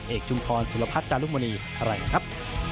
เอกชุมทรสุรพัฒน์จารุมณีแหล่งครับ